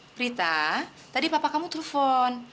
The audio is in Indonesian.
prita tadi papa kamu telepon